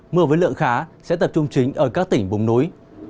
mưa với lượng khá sẽ tập trung chính ở các tỉnh vùng núi